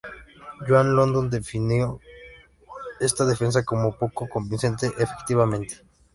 Joan London definió esta defensa como "poco convincente, efectivamente".